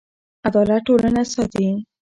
عدالت ټولنه ساتي.